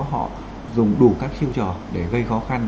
họ dùng đủ các chiêu trò để gây khó khăn